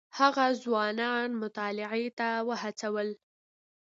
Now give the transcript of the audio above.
هغه ځوانان مطالعې ته وهڅول.